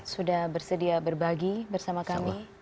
sudah bersedia berbagi bersama kami